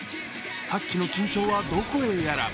さっきの緊張はどこへやら。